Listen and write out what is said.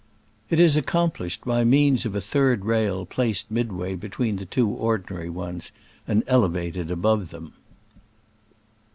It is accomplished by means of a third rail placed midway between the two ordi nary ones, and elevated above them.